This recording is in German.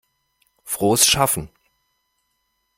Frohes Schaffen!